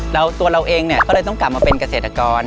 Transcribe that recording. แล้วตัวเราเองเนี่ยก็เลยต้องกลับมาเป็นเกษตรกร